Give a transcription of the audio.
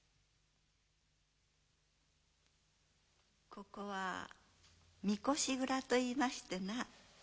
ここはみこし蔵といいましてな